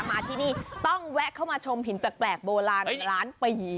มาที่นี่ต้องแวะเข้ามาชมหินแปลกโบราณล้านปี